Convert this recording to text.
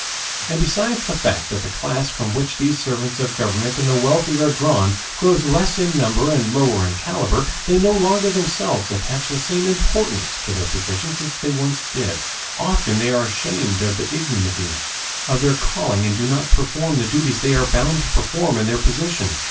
And besides the fact that the class from which the servants of government and the wealthy are drawn grows less in number and lower in caliber, they no longer themselves attach the same importance to their positions as they once did; often they are ashamed of the ignominy of their calling and do not perform the duties they are bound to perform in their position.